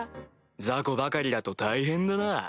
ザコばかりだと大変だな。